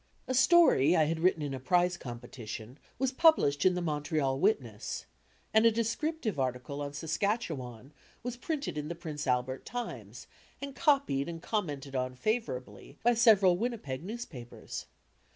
A story I had wrinen in a prize competition was published in the Montreal Witness, and a descriptive article on Saskatchewan was printed in the Prince Albert Times, and copied and commented on favourably by several Win nipeg papers.